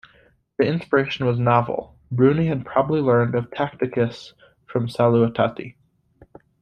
The inspiration was novel-Bruni had probably learned of Tacitus from Salutati.